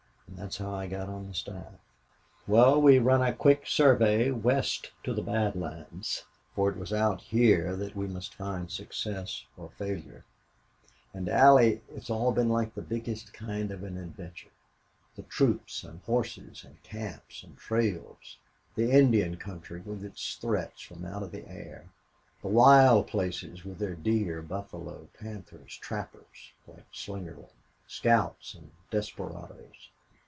And that's how I got on the staff. "Well, we ran a quick survey west to the Bad Lands for it was out here that we must find success or failure. And Allie, it's all been like the biggest kind of an adventure. The troops and horses and camps and trails the Indian country with its threats from out of the air the wild places with their deer, buffalo, panthers, trappers like Slingerland, scouts, and desperadoes.